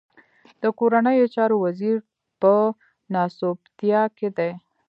د کورنيو چارو وزير په ناسوبتيا کې دی.